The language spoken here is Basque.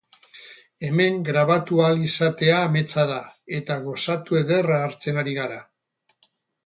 Hemen grabatu ahal izatea ametsa da, eta gozatu ederra hartzen ari gara.